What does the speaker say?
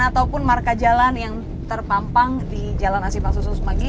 ataupun marka jalan yang terpampang di jalan asipaksusun semanggi